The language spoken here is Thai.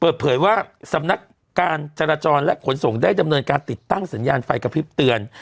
เปิดเผยว่าสำนักการจราจรและขนส่งได้ดำเนินการติดตั้งสัญญาณไฟกระพริบเตือน